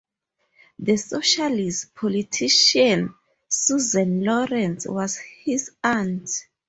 The socialist politician Susan Lawrence was his aunt.